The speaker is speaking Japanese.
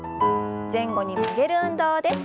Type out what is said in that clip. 前後に曲げる運動です。